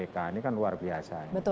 ini kan luar biasa